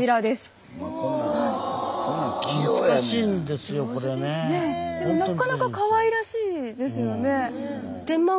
でもなかなかかわいらしいですよね。